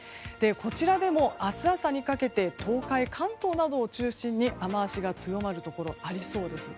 こちらでも明日朝にかけて東海、関東などを中心に雨脚が強まるところがありそうです。